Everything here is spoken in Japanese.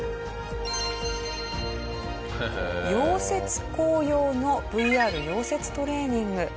溶接工用のＶＲ溶接トレーニング。